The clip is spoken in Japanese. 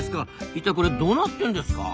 いったいこれどうなってんですか？